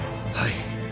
はい。